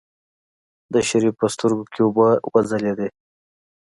د شريف په سترګو کې اوبه وځلېدلې.